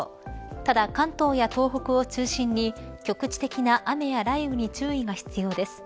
ただ関東や東北を中心に局地的な雨や雷雨に注意が必要です。